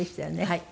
はい。